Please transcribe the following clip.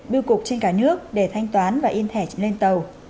biêu cục trên cả nước để thanh toán và in thẻ lên tàu